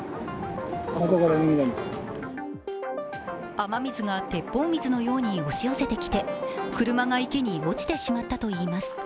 雨水が鉄砲水のように押し寄せてきて車が池に落ちてしまったといいます。